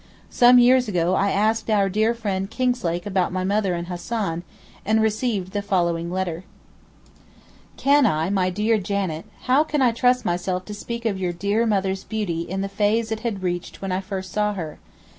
Some years ago I asked our dear friend Kinglake about my mother and Hassan, and received the following letter: 'Can I, my dear Janet, how can I trust myself to speak of your dear mother's beauty in the phase it had reached when first I saw her?